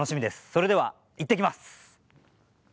それではいってきます。